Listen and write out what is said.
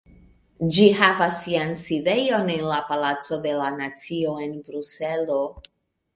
Ĝi havas sian sidejon en la Palaco de la Nacio en Bruselo.